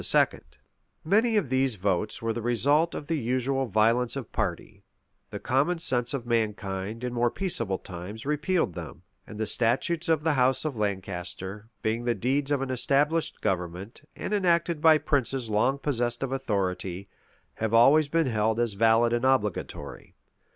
[] Many of these votes were the result of the usual violence of party: the common sense of mankind, in more peaceable times, repealed them: and the statutes of the house of Lancaster, being the deeds of an established government, and enacted by princes long possessed of authority, have always been held as valid and obligatory.